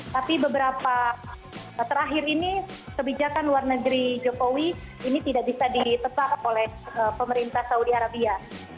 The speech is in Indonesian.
tapi beberapa terakhir ini kebijakan luar negeri jokowi ini tidak bisa ditebak oleh pemerintah saudi arabia